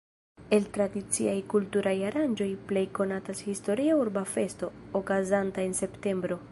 El tradiciaj kulturaj aranĝoj plej konatas historia urba festo, okazanta en septembro.